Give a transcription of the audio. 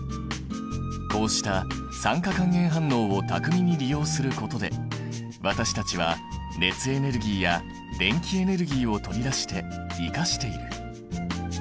こうした酸化還元反応を巧みに利用することで私たちは熱エネルギーや電気エネルギーを取り出して生かしている。